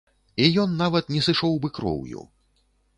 І ён нават не сышоў бы кроўю.